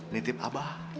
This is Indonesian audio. nitip abah ya